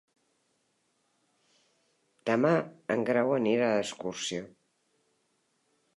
Demà en Grau anirà d'excursió.